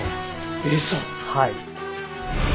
はい。